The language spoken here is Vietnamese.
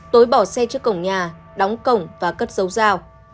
tối bỏ xe trước cổng nhà đóng cổng và cất dấu rào